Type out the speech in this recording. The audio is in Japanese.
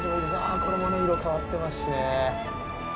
これも色変わってますしね。